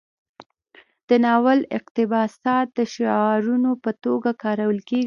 د ناول اقتباسات د شعارونو په توګه کارول کیږي.